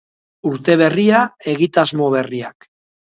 Urte berria, egitasmo berriak.